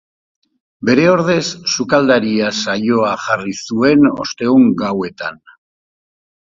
Bere ordez Sukaldaria saioa jarri zuen ostegun gauetan.